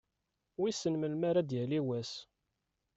Wissen melmi ara d-yali wass?